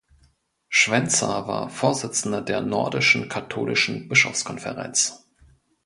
Schwenzer war Vorsitzender der Nordischen Katholischen Bischofskonferenz.